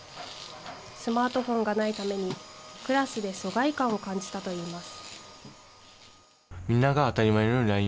スマートフォンがないために、クラスで疎外感を感じたといいます。